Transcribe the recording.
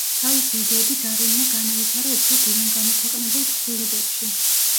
თავისი იდეები დარვინმა განავითარა უფრო გვიან გამოქვეყნებულ თხზულებებში.